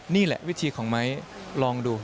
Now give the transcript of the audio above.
นี่แหละวิธีของไม้ลองดู